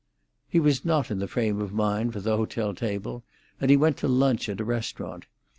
He was not in the frame of mind for the hotel table, and he went to lunch, at a restaurant.